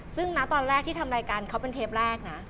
ซึ่งนะตอนแรกที่ทำรายการเขาเป็นเทปแรกนะ